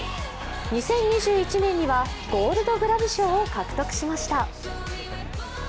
２０２１年にはゴールドグラブ賞を獲得しました。